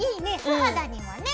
素肌にもね！